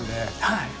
はい。